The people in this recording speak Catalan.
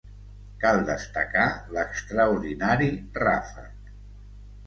Cal destacar l'extraordinari ràfec.